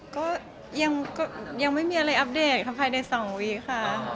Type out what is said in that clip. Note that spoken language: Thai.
ก็ยังยังไม่มีอะไรอัพเดทค่ะภายในสองวีค่ะ